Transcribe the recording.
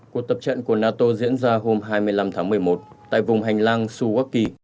cuộc tập trận của nato diễn ra hôm hai mươi năm tháng một mươi một tại vùng hành lang suwaki